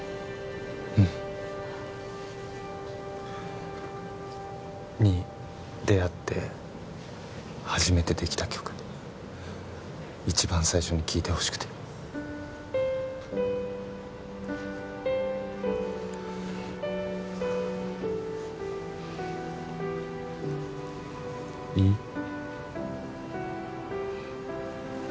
うんに出会って初めてできた曲一番最初に聴いてほしくていい？